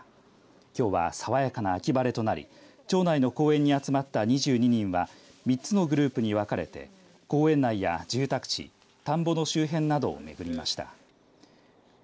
きょうはさわやかな秋晴れとなり町内の公園に集まった２２人は３つのグループに分かれて公園内や住宅地田んぼの周辺などをめぐりました。